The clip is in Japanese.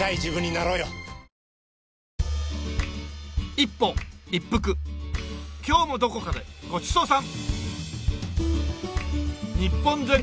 一歩いっぷく今日もどこかでごちそうさん！